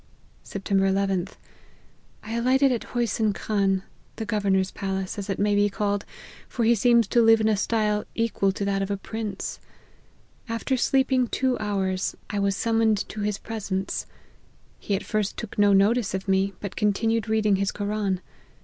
" Sept. llth. I alighted at Hosyn Khan, the governor's palace, as it may be called, for he seems to live in a style equal to that of a prince. After sleeping two hours, I was summoned to his presence. He at first took no notice of me, but continued reading his Koran.